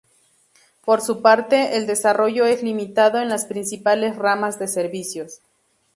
Por su parte, el desarrollo es limitado en las principales ramas de servicios.